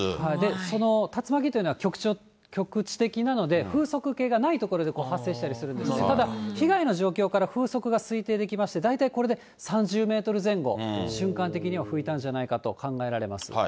その竜巻というのは局地的なので、風速計がない所で発生したりするんで、ただ、被害の状況から風速が推定できまして、大体これで３０メートル前後、瞬間的には吹いたんじゃないかと考えられます。